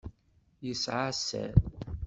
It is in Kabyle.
Yesεa sser.